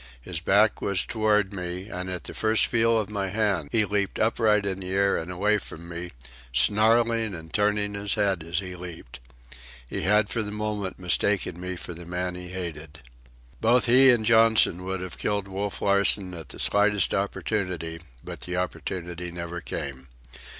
His back was toward me, and at the first feel of my hand he leaped upright in the air and away from me, snarling and turning his head as he leaped. He had for the moment mistaken me for the man he hated. Both he and Johnson would have killed Wolf Larsen at the slightest opportunity, but the opportunity never came.